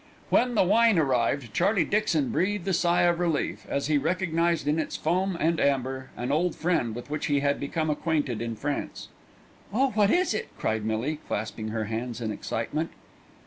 When the wine arrived Charlie Dixon breathed a sigh of relief, as he recognised in its foam and amber an old friend with which he had become acquainted in France. "Oh! what is it?" cried Millie, clasping her hands in excitement.